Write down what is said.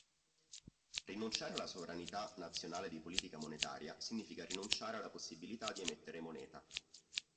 Rinunciare alla sovranità nazionale di politica monetaria significa rinunciare alla possibilità di emettere moneta.